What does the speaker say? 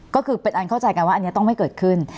ก็คือเป็นอันเข้าใจกันว่าอันนี้ต้องไม่เกิดขึ้น